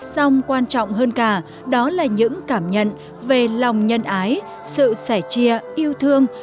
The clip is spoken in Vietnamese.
song quan trọng hơn cả đó là những cảm nhận về lòng nhân ái sự sẻ chia yêu thương